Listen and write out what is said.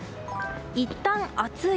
いったん暑い！